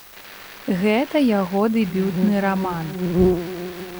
Гэта яго дэбютны раман.